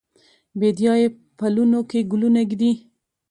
بیدیا یې پلونو کې ګلونه ایږدي